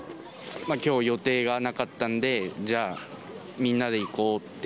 きょう予定がなかったんで、じゃあみんなで行こうって。